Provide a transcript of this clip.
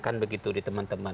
kan begitu di teman teman